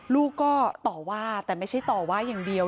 ลูกก็ต่อว่าแต่ไม่ใช่ต่อว่าอย่างเดียว